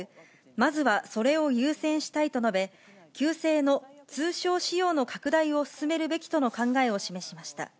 まずはそれを優先したいと述べ、旧姓の通称使用の拡大を進めるべきとの考えを示しました。